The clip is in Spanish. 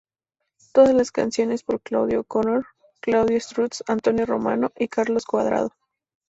Todas las canciones por Claudio O'Connor, Claudio Strunz, Antonio Romano y Karlos Cuadrado